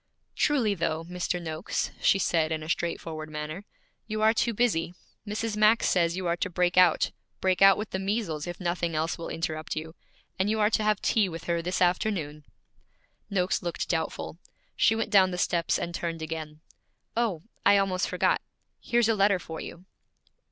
'Truly, though, Mr. Noakes,' she said in a straightforward manner, 'you are too busy. Mrs. Max says you are to break out, break out with the measles if nothing else will interrupt you, and you are to have tea with her this afternoon.' Noakes looked doubtful. She went down the steps and turned again. 'Oh, I almost forgot here's a letter for you.'